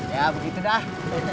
ya begitu dah